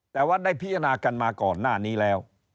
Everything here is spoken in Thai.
แต่ว่าได้พิจารณากันมาก่อนหน้านี้แล้ว